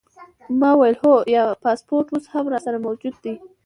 ما وویل: هو، پاسپورټ اوس هم راسره موجود دی.